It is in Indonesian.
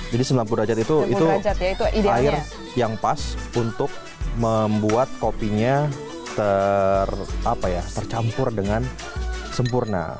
jadi sembilan puluh derajat itu itu air yang pas untuk membuat kopinya tercampur dengan sempurna